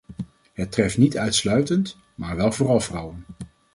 Het treft niet uitsluitend, maar wel vooral vrouwen.